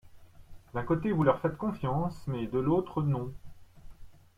D’un côté, vous leur faites confiance mais, de l’autre, non.